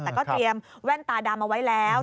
แต่ก็เตรียมแว่นตาดำเอาไว้แล้ว